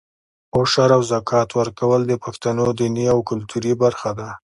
عشر او زکات ورکول د پښتنو دیني او کلتوري برخه ده.